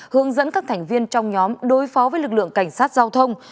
hướng dẫn các thành viên trong nhóm đối phó với lực lượng cảnh sát giao thông